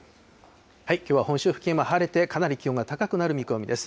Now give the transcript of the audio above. きょうは本州付近も晴れて、かなり気温が高くなる見込みです。